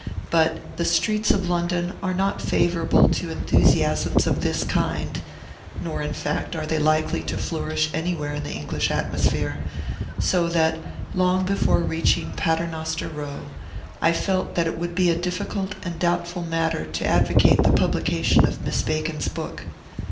But the streets of London are not favorable to enthusiasms of this kind, nor, in fact, are they likely to flourish anywhere in the English atmosphere; so that, long before reaching Paternoster Row, I felt that it would be a difficult and doubtful matter to advocate the publication of Miss Bacon's book.